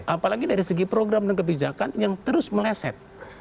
apalagi dari segi program dan kebijakan yang terus meleset